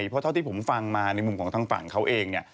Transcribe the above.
เพราะเท่าที่ผมฟังมาในมุมของทางฝั่งเขาเองเนี่ย